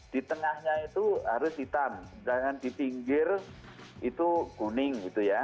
di tengahnya itu harus hitam di pinggir itu kuning